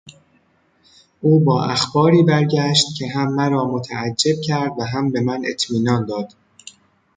او با اخباری برگشت که هم مرا متعجب کرد و هم به من اطمینان داد.